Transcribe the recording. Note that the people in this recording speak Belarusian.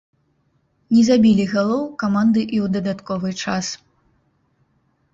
Не забілі галоў каманды і ў дадатковы час.